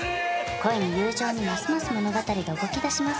恋に友情にますます物語が動きだします